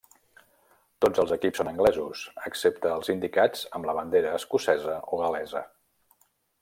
Tots els equips són anglesos excepte els indicats amb la bandera escocesa o gal·lesa.